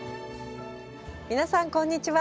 皆さんこんにちは。